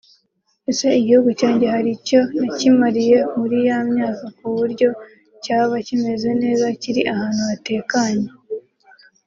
Ese igihugu cyanjye hari icyo nakimariye muri ya myaka kuburyo cyaba kimeze neza kiri ahantu hatekanye